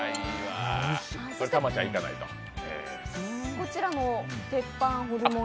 こちらの鉄板ホルモン